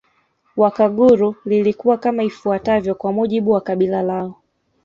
Wakaguru lilikuwa kama ifuatavyo kwa mujibu wa kabila lao